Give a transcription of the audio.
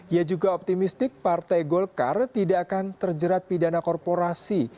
ia juga optimistik partai golkar tidak akan terjerat pidana korporasi